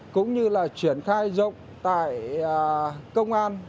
cũng như là chuyển khai rộng tại công an